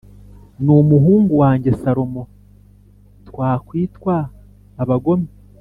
N umuhungu wanjye salomo twakwitwa abagome